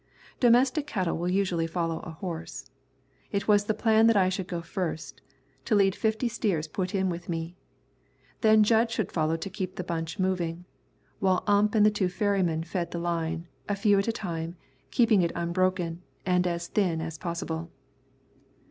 Domestic cattle will usually follow a horse. It was the plan that I should go first, to lead fifty steers put in with me. Then Jud should follow to keep the bunch moving, while Ump and the two ferrymen fed the line, a few at a time, keeping it unbroken, and as thin as possible.